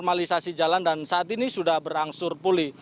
normalisasi jalan dan saat ini sudah berangsur pulih